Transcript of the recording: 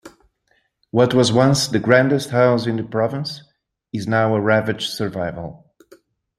What was once the grandest house in the province is now a ravaged survival.